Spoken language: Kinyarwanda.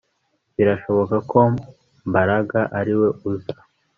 Birashoboka ko Mbaraga ariwe uza